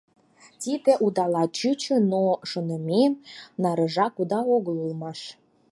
Тиде удала чучо, но шонымем нарыжак уда огыл улмаш.